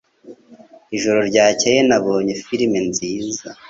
Ijoro ryakeye nabonye firime nziza.